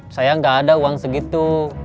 saya nggak ada uang segitu